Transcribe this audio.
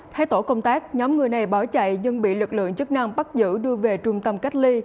thay tổ công tác nhóm người này bỏ chạy nhưng bị lực lượng chức năng bắt giữ đưa về trung tâm cách ly